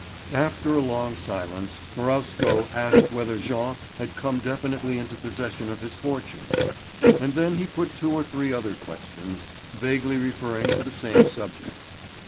After a long silence Marowsko asked whether Jean had come definitely into possession of his fortune; and then he put two or three other questions vaguely referring to the same subject.